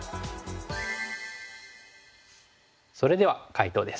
それでは解答です。